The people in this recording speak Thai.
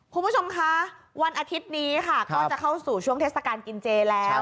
คุณผู้ชมคะวันอาทิตย์นี้ค่ะก็จะเข้าสู่ช่วงเทศกาลกินเจแล้ว